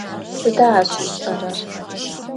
Sıda aş ış'erer?